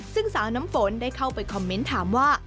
ซึ่งสาวน้ำฝนได้เข้าไปคอมเมนต์ถามว่า